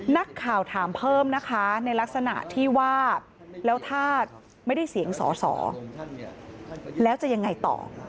นักข่าวถามเพิ่มนะคะในลักษณะที่ว่าแล้วถ้าไม่ได้เสียงสอสอแล้วจะยังไงต่อ